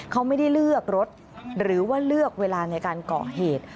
เขาไม่ได้เลือกรถหรือว่าเลือกเวลาในการก่อเหตุ